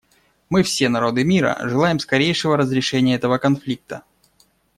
Мы, все народы мира, желаем скорейшего разрешения этого конфликта.